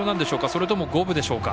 それとも五分でしょうか？